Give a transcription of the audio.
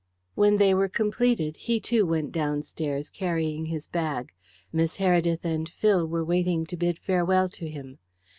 When they were completed he, too, went downstairs, carrying his bag. Miss Heredith and Phil were waiting to bid farewell to him.